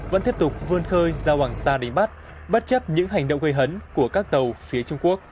vẫn tiếp tục vươn khơi ra hoàng sa đánh bắt bất chấp những hành động gây hấn của các tàu phía trung quốc